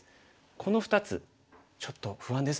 この２つちょっと不安ですね。